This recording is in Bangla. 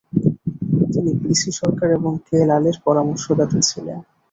তিনি পি সি সরকার এবং কে লালের পরামর্শদাতা ছিলেন।